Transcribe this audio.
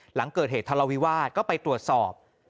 หลังเกิดเหตุทะเลาวิวาสก็ไปตรวจสอบ